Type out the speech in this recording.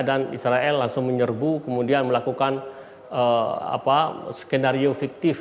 dan israel langsung menyerbu kemudian melakukan skenario fiktif